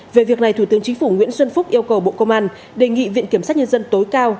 về việc này thủ tướng chính phủ nguyễn xuân phúc yêu cầu bộ công an đề nghị viện kiểm sát nhân dân tối cao